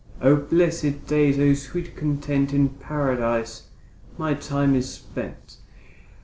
O blessed days, O sweet content, In Paradise my time is spent.